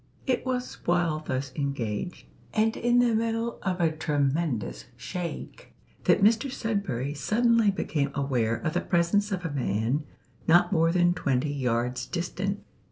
It was while thus engaged, and in the middle of a tremendous shake, that Mr Sudberry suddenly became aware of the presence of a man not more than twenty yards distant.